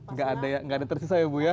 nggak ada tersisa ya bu ya